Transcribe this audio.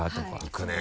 行くね。